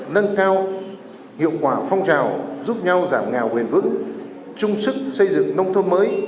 nâng cao hiệu quả phong trào giúp nhau giảm ngào huyền vững trung sức xây dựng nông thôn mới